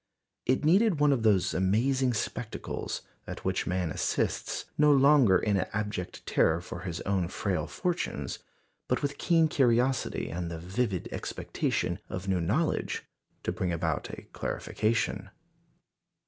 It needed one of those amazing spectacles, at which man assists, no longer in abject terror for his own frail fortunes, but with keen curiosity and the vivid expectation of new knowledge, to bring about a clarification.